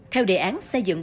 theo đề án xây dựng